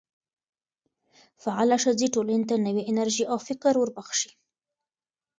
فعاله ښځې ټولنې ته نوې انرژي او فکر وربخښي.